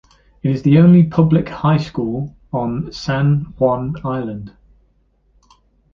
It is the only public high school on San Juan Island.